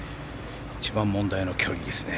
一番問題の距離ですね